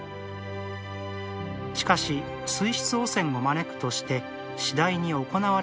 しかし水質汚染を招くとして次第に行われなくなりました。